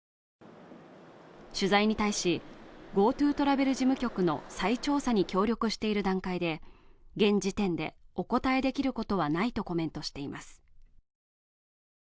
取材に対しＧｏＴｏトラベル事務局の再調査に協力している段階で現時点でお答えできることはないとコメントしています